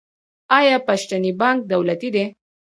آیا پښتني بانک دولتي دی؟